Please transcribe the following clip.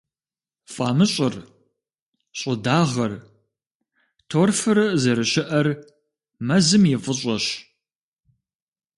ФӀамыщӀыр, щӀыдагъэр, торфыр зэрыщыӀэр мэзым и фӀыщӀэщ.